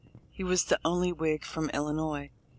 He was the only Whig from Illinois.